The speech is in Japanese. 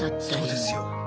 そうですよ。